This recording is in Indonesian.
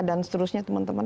dan seterusnya teman teman